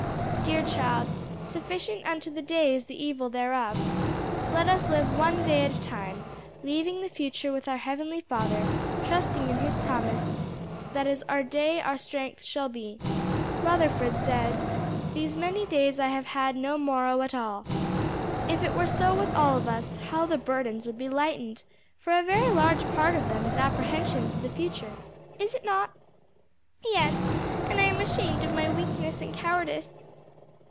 "Dear child, 'sufficient unto the day is the evil thereof.' Let us live one day at a time, leaving the future with our heavenly Father, trusting in His promise that as our day our strength shall be. Rutherford says, 'These many days I have had no morrow at all.' If it were so with all of us, how the burdens would be lightened! for a very large part of them is apprehension for the future. Is it not?" "Yes, and I am ashamed of my weakness and cowardice."